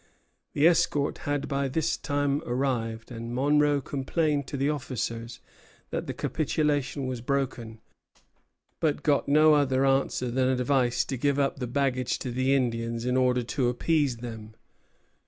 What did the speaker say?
The escort had by this time arrived, and Monro complained to the officers that the capitulation was broken; but got no other answer than advice to give up the baggage to the Indians in order to appease them.